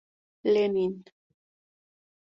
I. Lenin.